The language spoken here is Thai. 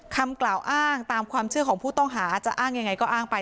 คำกล่าวอ้างตามความเชื่อของผู้ต้องหาจะอ้างยังไงก็อ้างไป